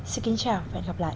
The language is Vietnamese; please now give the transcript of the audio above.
xin kính chào và hẹn gặp lại